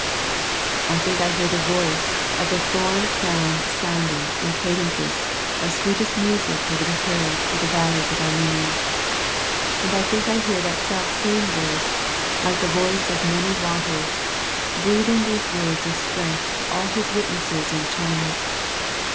I think I hear the voice of the thorn crowned sounding in cadences of sweet est music over the hills and valleys of Armenia, and I think I hear that self same voice, like the voice of many waters, breathing these words of strength to all His witnesses in China.